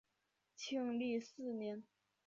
庆历四年。